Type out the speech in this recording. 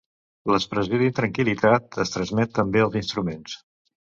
L'expressió d'intranquil·litat es transmet també als instruments.